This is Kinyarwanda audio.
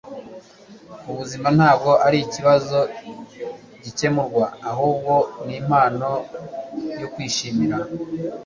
ubuzima ntabwo ari ikibazo gikemurwa ahubwo ni impano yo kwishimira